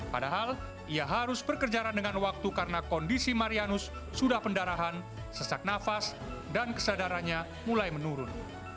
padahal ia harus berkejaran dengan waktu karena kondisi marianus sudah pendarahan sesak nafas dan kesadarannya mulai menurun